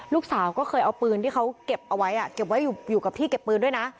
ลูกสาวก็เคยเอาปืนที่เขาเก็บเอาไว้เก็บไว้อยู่กับที่เก็บปืนด้วยนะ